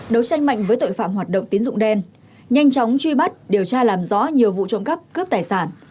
đấu tranh mạnh với tội phạm hoạt động tín dụng đen nhanh chóng truy bắt điều tra làm rõ nhiều vụ trộm cắp cướp tài sản